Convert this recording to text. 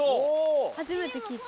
はじめて聞いた。